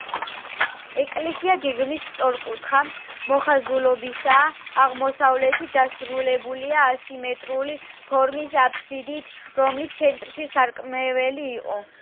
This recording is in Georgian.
ეკლესია გეგმით სწორკუთხა მოხაზულობისაა, აღმოსავლეთით დასრულებულია ასიმეტრიული ფორმის აბსიდით, რომლის ცენტრში სარკმელი იყო.